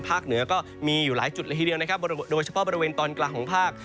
เหนือก็มีอยู่หลายจุดละทีเดียวนะครับโดยเฉพาะบริเวณตอนกลางของภาค